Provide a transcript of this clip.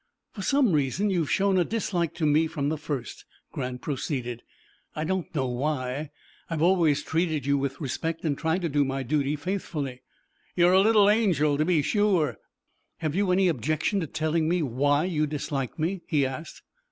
"For some reason you have shown a dislike to me from the first," Grant proceeded. "I don't know why. I have always treated you with respect and tried to do my duty faithfully." "You are a little angel, to be sure." "Have you any objection to telling me why you dislike me?" he asked.